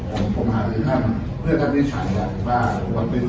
อลมุธว่ามัดที่ประชุมได้ลองตอบทางกะพาให้